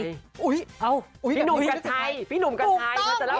ถูกต้องพี่หนุ่มกันชัย